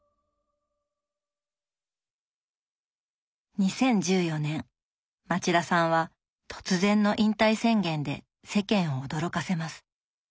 ２０１４年町田さんは突然の引退宣言で世間を驚かせます。